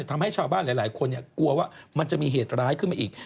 ทำให้ชาวบ้านหลายคนกลัวว่ามันจะมีเหตุร้ายขึ้นมาอีก